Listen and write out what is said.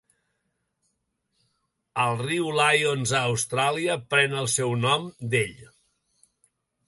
El riu Lyons a Austràlia pren el seu nom d'ell.